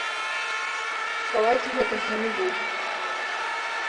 Хаваць гэтага не буду.